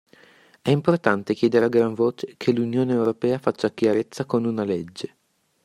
È importante chiedere a gran voce che l'Unione Europea faccia chiarezza con una legge.